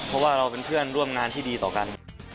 เพราะว่าเราเป็นเพื่อนร่วมงานที่ดีต่อกัน